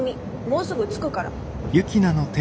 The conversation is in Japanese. もうすぐ着くから。